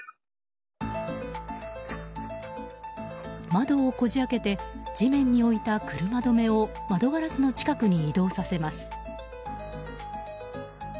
窓をこじ開けて地面に置いた車止めを窓ガラスの近くに移動させます。